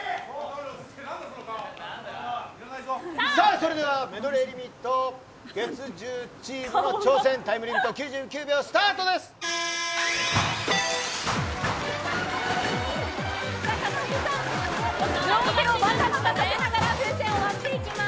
それではメドレーリミット月１０チームの挑戦タイムリミットは９９秒ＳＴＡＲＴです。